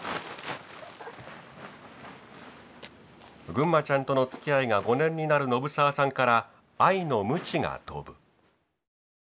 ぐんまちゃんとのつきあいが５年になる信澤さんから愛のムチが飛ぶ。